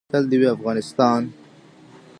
تل دې وي افغانستان؟